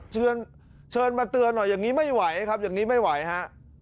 เชิญเชิญมาเตือนหน่อยอย่างนี้ไม่ไหวครับอย่างนี้ไม่ไหวฮะ